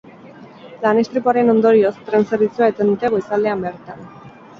Lan istripuaren ondorioz, tren zerbitzua eten dute goizaldean bertan.